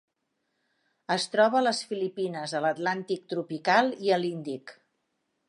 Es troba a les Filipines, a l'Atlàntic tropical i a l'Índic.